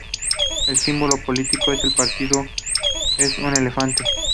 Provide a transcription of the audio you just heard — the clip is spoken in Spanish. El símbolo político del partido es una elefante.